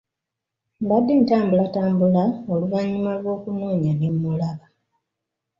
Mbadde ntambulatambula oluvannyuma lw'okunoonya ne mulaba.